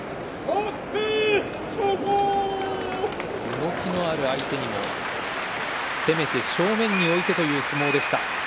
動きのある相手にも攻めて正面に置いてという相撲でした。